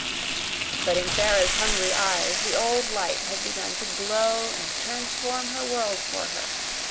But in Sara's hungry eyes the old light had begun to glow and transform her world for her.